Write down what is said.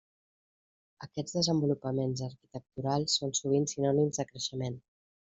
Aquests desenvolupaments arquitecturals són sovint sinònims de creixement.